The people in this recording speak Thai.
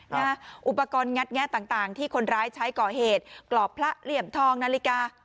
อุปกรณ์งัดแงะต่างที่คนร้ายใช้ก่อเหตุกรอบพระเหลี่ยมทองนาฬิกา